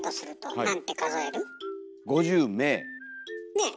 ねえ？